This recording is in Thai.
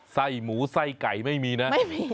ไส้หมูไส้ไก่ไม่มีนะ